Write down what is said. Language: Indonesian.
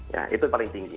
ya itu paling tinggi